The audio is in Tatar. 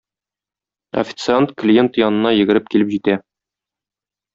Официант, клиент янына йөгереп килеп җитә